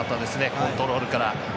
コントロールから。